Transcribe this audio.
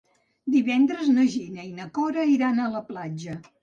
Divendres na Gina i na Cora iran a la platja.